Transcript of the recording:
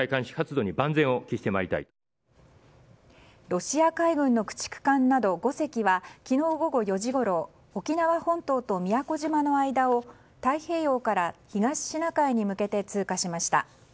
ロシア海軍の駆逐艦など５隻は昨日午後４時ごろ沖縄本島と宮古島の間を太平洋から東シナ海に向けて通過しました。